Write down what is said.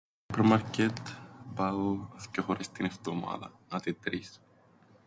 [Σού]ππερμαρκετ, πάω θκυο φορές την εφτομάδαν, άτε τρεις.